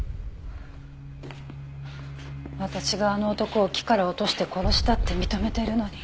私があの男を木から落として殺したって認めてるのに。